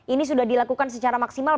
ini sudah dilakukan secara maksimal